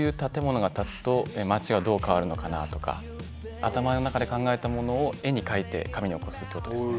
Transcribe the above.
頭の中で考えたものを絵に描いて紙に起こすということですね。